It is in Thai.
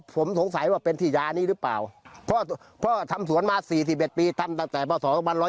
พี่วินัยก็ทำสวนมา๔๑ปีตั้งแต่ปศ๑๒๕